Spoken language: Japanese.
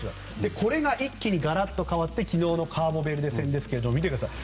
これが一気にガラッと変わって昨日のカーボベルデ戦見てください